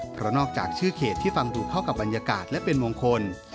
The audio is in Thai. เพราะนอกจากชื่อเขตที่ฟังดูเข้ากับบรรยากาศและเป็นมงคล